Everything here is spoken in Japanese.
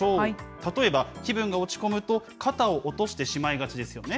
例えば、気分が落ち込むと、肩を落としてしまいがちですよね。